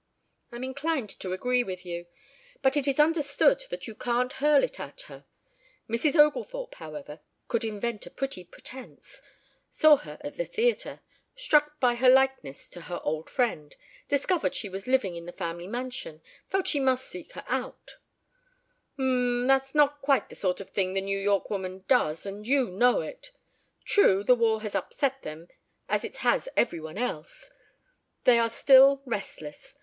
"I'm inclined to agree with you. But it is understood that you can't hurl it at her. Mrs. Oglethorpe, however, could invent a pretty pretence saw her at the theatre struck by her likeness to her old friend discovered she was living in the family mansion felt that she must seek her out " "Um. That's not quite the sort of thing the New York woman does, and you know it. True, the war has upset them as it has every one else. They are still restless.